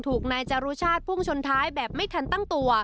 ถูกนายจารุชาติพุ่งชนท้ายแบบไม่ทันตั้งตัว